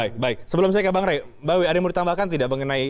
baik baik sebelum saya ke bang rey mbak wi ada yang mau ditambahkan tidak mengenai